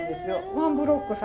ワンブロック先。